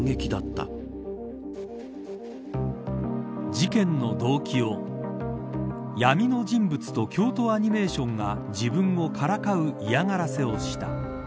事件の動機を闇の人物と京都アニメーションが自分をからかう嫌がらせをした。